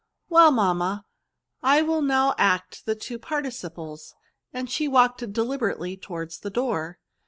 " Well, mam ma, I will now act the two participles," and she walked deliberately towards the door.